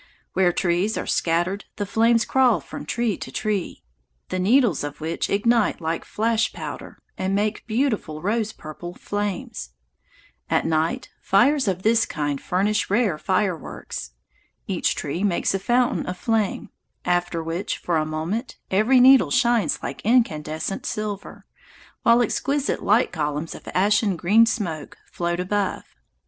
Where trees are scattered the flames crawl from tree to tree, the needles of which ignite like flash powder and make beautiful rose purple flames. At night fires of this kind furnish rare fireworks. Each tree makes a fountain of flame, after which, for a moment, every needle shines like incandescent silver, while exquisite light columns of ashen green smoke float above.